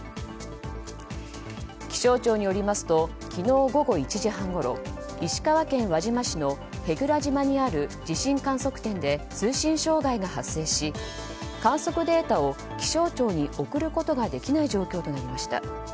気象庁によりますと昨日午後１時半ごろ石川県輪島市の舳倉島にある地震観測点で通信障害が発生し観測データを気象庁に送ることができない状況となりました。